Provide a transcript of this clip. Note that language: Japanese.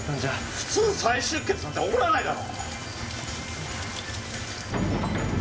普通再出血なんて起こらないだろ！